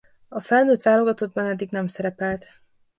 A felnőtt válogatottban eddig nem szerepelt.